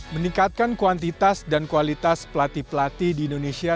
meningkatkan kuantitas dan kualitas pelatih pelatih di indonesia